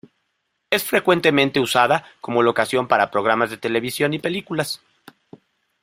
Es frecuentemente usada como locación para programas de televisión y películas.